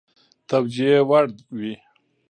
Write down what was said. توجیه وړ وي.